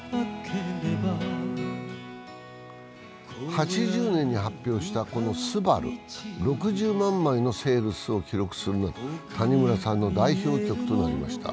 ８０年に発表した「昴」、６０万枚のセールスを記録するなど、谷村さんの代表曲となりました。